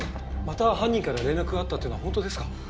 また犯人から連絡があったっていうのは本当ですか？